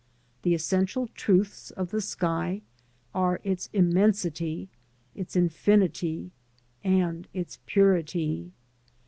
* The essential truths of the sky are its immensity, its infinity, and its purity.